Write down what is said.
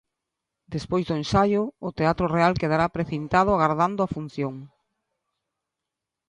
Despois do ensaio, o Teatro Real quedará precintado agardando a función.